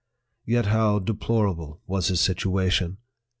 Yet how deplorable was his situation